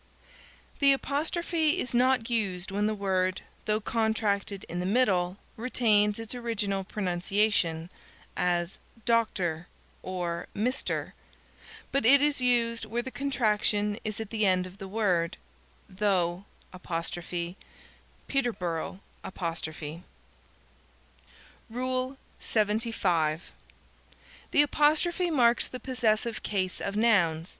The apostrophe is not used when the word, though contracted in the middle, retains its original pronunciation; as "Dr." or "Mr." But it is used where the contraction is at the end of the word: "tho'," "Peterboro'." LXXV. The apostrophe marks the possessive case of nouns.